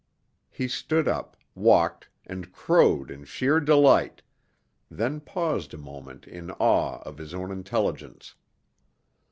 He stood up, walked, and crowed in sheer delight, then paused a moment in awe of his own intelligence.